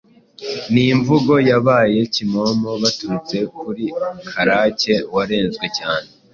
Ni imvugo yabaye kimomo, biturutse kuri Karake warenzwe cyane,